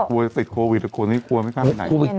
กลัวจะติดโควิดโควิดนี่กลัวไม่ได้ไหน